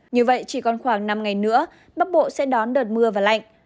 như vậy chỉ còn khoảng năm ngày nữa bắc bộ sẽ đón đợt mưa và lạnh